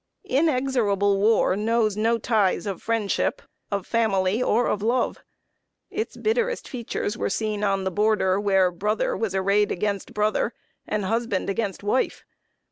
Inexorable war knows no ties of friendship, of family, or of love. Its bitterest features were seen on the border, where brother was arrayed against brother, and husband against wife.